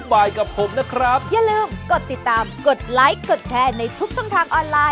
โปรดติดตามตอนต่อไป